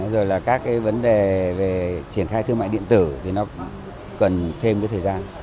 rồi là các cái vấn đề về triển khai thương mại điện tử thì nó cần thêm cái thời gian